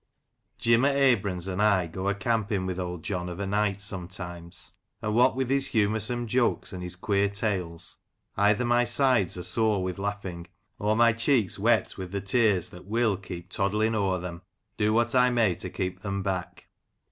Jim o' Abram's and I go a camping with Old John of a night sometimes; and what with his humoursome jokes and his queer tales, either my sides are sore with laughing, or my cheeks wet with the tears that will keep toddling o'er them, do what I may to keep them back.